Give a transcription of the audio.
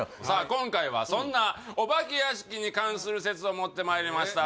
今回はそんなお化け屋敷に関する説を持ってまいりました